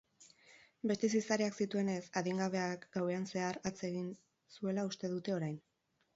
Heste zizareak zituenez, adingabeak gauean zehar hatz egin zuela uste dute orain.